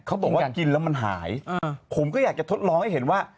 เขาบอกว่ากินแล้วมันหายผมก็อยากจะทดลองให้เห็นว่า